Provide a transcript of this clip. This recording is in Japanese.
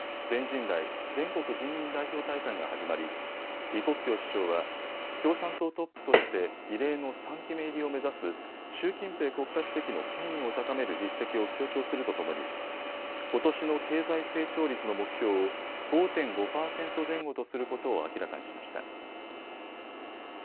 全人代・全国人民代表大会が始まり李克強首相は共産党トップとして異例の３期目入りを目指す習近平国家主席の権威を高める実績を強調するとともにことしの経済成長率の目標を５．５％前後とすることを明らかにしました。